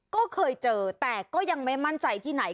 ก็เคยเจอแต่ก็ยังไม่มั่นใจที่ไหน